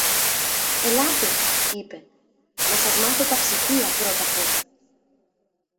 Ελάτε, είπε, να σας μάθω τα ψηφία πρώτα-πρώτα.